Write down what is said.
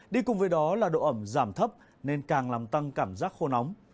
đi cùng với đó là độ ẩm giảm thấp nên càng làm tăng cảm giác khô nóng